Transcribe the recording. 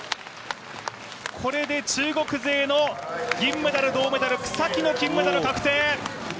これで中国勢の銀メダル、銅メダル、草木の金メダル、確定！